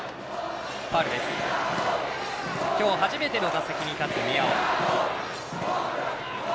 今日初めての打席に立つ宮尾。